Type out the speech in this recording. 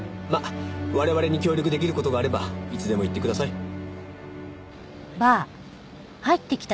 まあ我々に協力出来る事があればいつでも言ってください。